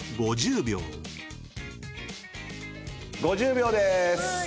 ５０秒でーす。